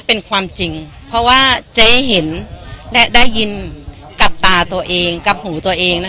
เป็นความจริงเพราะว่าเจ๊เห็นและได้ยินกับตาตัวเองกับหูตัวเอง